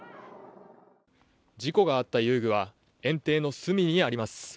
事故があった遊具は、園庭の隅にあります。